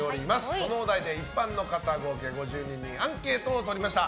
そのお題で一般の方合計５０人にアンケートを取りました。